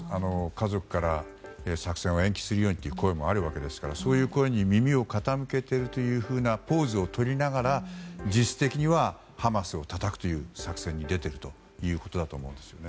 家族から作戦を延期するようにという声もあるわけですからそういう声に耳を傾けているポーズをとりながら実質的にはハマスをたたくという作戦に出てるということだと思うんですよね。